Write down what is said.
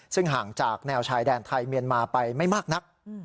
ซึ่งห่างจากแนวชายแดนไทยเมียนมาไปไม่มากนัก